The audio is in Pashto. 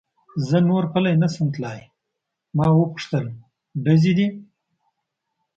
زه نور پلی نه شم تلای، ما و پوښتل: ډزې دي؟